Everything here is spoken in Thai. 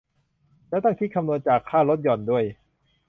ต้องคิดคำนวณจากค่าลดหย่อนด้วย